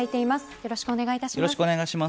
よろしくお願いします。